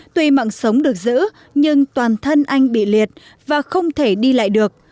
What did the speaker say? tuy mạng sống được giữ nhưng toàn thân anh bị liệt và không thể đi lại được